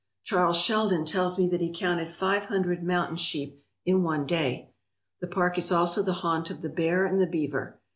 Charles Sheldon tells me that he counted five hundred mountain sheep in one day. The park is also the haunt of the bear and the beaver.